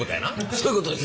そういうことです。